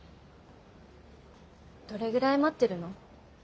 どれぐらい待ってるの？